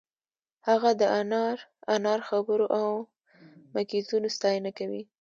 هغه د انار انار خبرو او مکیزونو ستاینه کوي